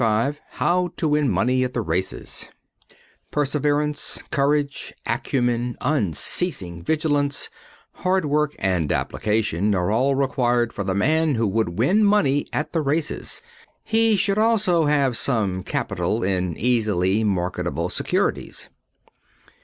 XXXV HOW TO WIN MONEY AT THE RACES Perseverance, courage, acumen, unceasing vigilance, hard work and application are all required of the man who would win money at the races. He should also have some capital in easily marketable securities.